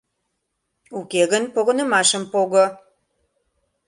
Уке гын погынымашым пого...